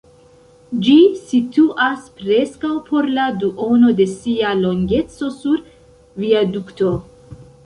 Ĝi situas preskaŭ por la duono de sia longeco sur viadukto.